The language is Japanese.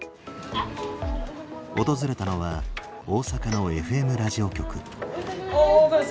訪れたのは大阪のＦＭラジオ局。